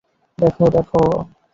দেখ, দেখ!